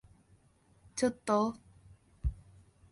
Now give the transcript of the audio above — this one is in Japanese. ちょっと？